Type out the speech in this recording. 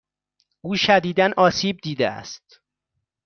او شدیدا آسیب دیده است.